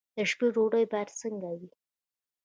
د شپې ډوډۍ باید څنګه وي؟